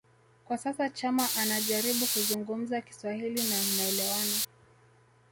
kwa sasa Chama anajaribu kuzungumza Kiswahili na mnaelewana